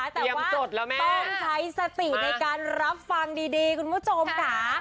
แต่ว่าต้องใช้สติในการรับฟังดีคุณผู้ชมค่ะ